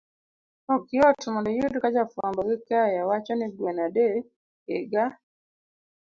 Ok yot mondo iyud ka ja fuambo gi keyo wacho ni gweno adek, higa